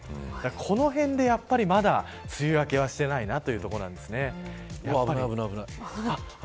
この辺でやっぱりまだ梅雨明けはしていないなというところなんですね。